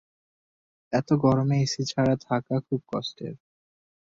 এত গরমে এসি ছাড়া থাকা খুব কষ্টের।